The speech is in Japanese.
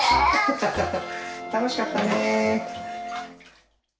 たのしかったね！